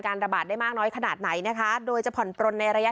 ระบาดได้มากน้อยขนาดไหนนะคะโดยจะผ่อนปลนในระยะ